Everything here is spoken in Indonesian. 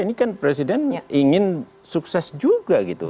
ini kan presiden ingin sukses juga gitu